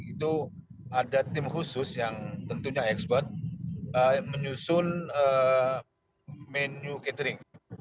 itu ada tim khusus yang tentunya ekspor menyusun menu catering